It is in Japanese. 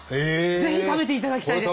ぜひ食べていただきたいです。